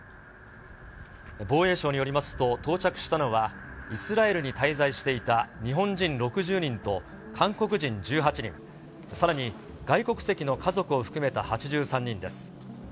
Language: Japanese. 防衛省によりますと、到着したのは、イスラエルに滞在していた日本人６０人と、韓国人１８人、さらに外国籍の家族を含めた８３人です。